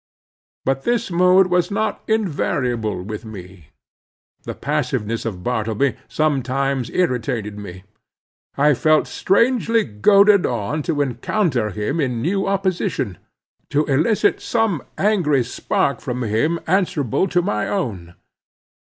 But this mood was not invariable with me. The passiveness of Bartleby sometimes irritated me. I felt strangely goaded on to encounter him in new opposition, to elicit some angry spark from him answerable to my own.